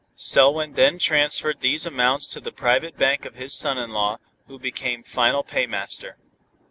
Selwyn then transferred these amounts to the private bank of his son in law, who became final paymaster.